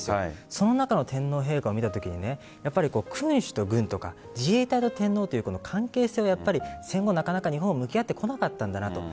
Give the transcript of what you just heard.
その中の天皇陛下を見たときに君主と軍とか自衛隊と天皇という関係性に戦後、なかなか日本は向き合ってこなかったのなかと。